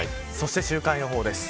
週間予報です。